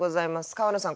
川野さん